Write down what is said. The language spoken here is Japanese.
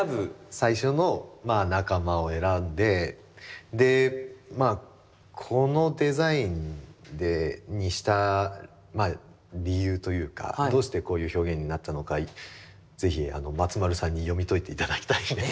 最初の仲間を選んででまあこのデザインにした理由というかどうしてこういう表現になったのか是非松丸さんに読み解いていただきたいんです。